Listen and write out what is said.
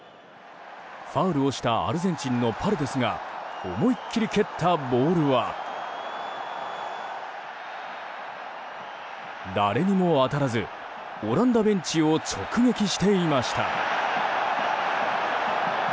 ファウルをしたアルゼンチンのパレデスが思い切り蹴ったボールは誰にも当たらずオランダベンチを直撃していました。